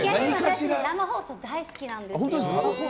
生放送大好きなんですよ。